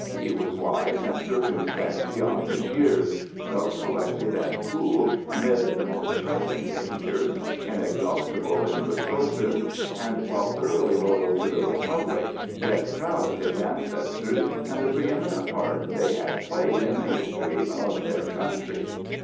He was wise and circumspect beyond his years, self collected and cool amid the most pressing dangers, inexhaustible in resources, and while thoroughly loyal to the Republic, yet proud of his ancestors and the preëminent part they had played in the history of their country.